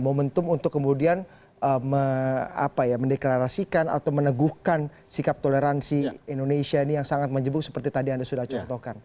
momentum untuk kemudian mendeklarasikan atau meneguhkan sikap toleransi indonesia ini yang sangat menjebuk seperti tadi anda sudah contohkan